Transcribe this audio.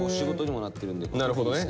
なるほどね。